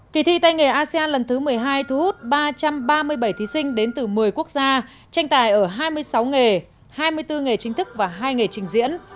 kỳ thi tay nghề asean lần thứ một mươi hai thu hút ba trăm ba mươi bảy thí sinh đến từ một mươi quốc gia tranh tài ở hai mươi sáu nghề hai mươi bốn nghề chính thức và hai nghề trình diễn